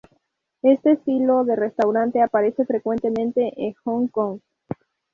Este estilo de restaurante aparece frecuentemente en Hong Kong.